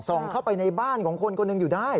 เข้าไปในบ้านของคนคนหนึ่งอยู่ได้